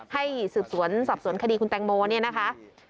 ให้สืบสวนสอบสวนคดีคุณแตงโมเนี่ยนะคะ